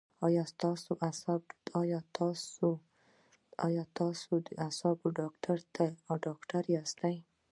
ایا تاسو د اعصابو ډاکټر یاست؟